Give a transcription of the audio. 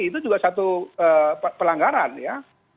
itu juga satu pelanggaran ya